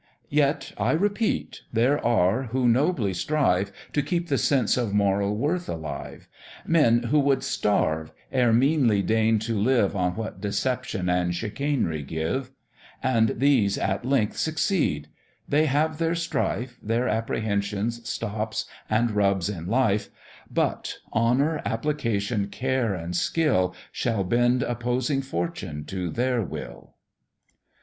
Yet, I repeat, there are who nobly strive To keep the sense of moral worth alive; Men who would starve, ere meanly deign to live On what deception and chican'ry give; And these at length succeed; they have their strife, Their apprehensions, stops, and rubs in life; But honour, application, care, and skill, Shall bend opposing fortune to their will.